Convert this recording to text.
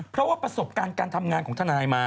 เพราะว่าประสบการณ์การทำงานของทนายมา